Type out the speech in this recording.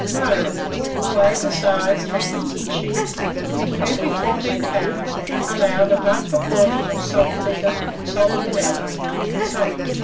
Mode. Weigh the sides, hams, and cheeks, and to every 14 lbs. allow the above proportion of saltpetre, salt prunella, and common salt.